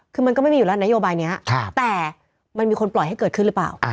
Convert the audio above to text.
คือมันก็ไม่มีอยู่แล้วนโยบายนี้แต่มันมีคนปล่อยให้เกิดขึ้นหรือเปล่า